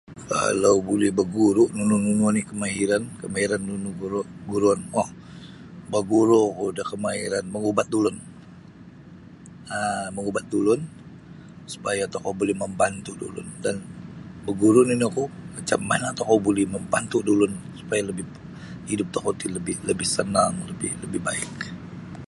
Kalau buli beguru nunu nunu oni kemahiran kemahiran nunu guru guru no beguru oku da kamahiran mongubat da ulun um mangubat da ulun supaya tokou buli mambantu da ulun dan beguru nini oku macam mana tokou buli mambantu da ulun supaya lebih hidup hidup tokou ti buli buli sanang buli buli lebih baik.